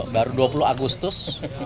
baru dua puluh agustus